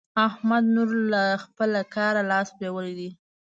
احمد نور له خپله کاره لاس پرېولی دی.